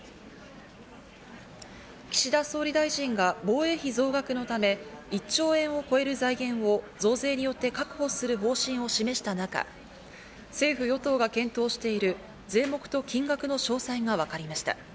岸田総理大臣が防衛費増額のため、１兆円を超える財源を増税によって確保する方針を示した中、政府・与党が検討している税目と金額の詳細がわかりました。